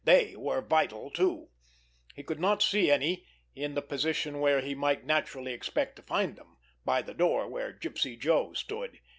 They were vital too! He could not see any in the position where he might naturally expect to find them—by the door where Gypsy Joe stood.